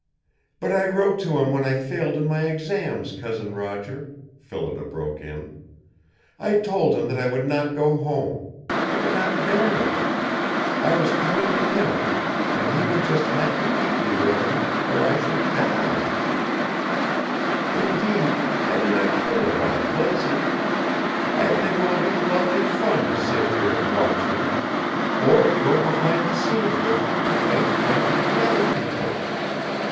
"But I wrote to him when I failed in my exams, Cousin Roger," Phillida broke in. "I told him that I would not go home. I could not bear it. I was coming to him, and he would just have to keep me with him or I should die. Indeed, I do not care about places. I think it will be lovely fun to sit here and watch him, or go behind the scenes with him and make friends with the other people.